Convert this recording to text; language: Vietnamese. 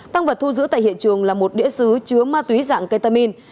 tăng vật thu giữ tại hiện trường là một đĩa xứ chứa ma túy dạng ketamin